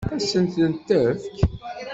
Ad sent-t-tefk?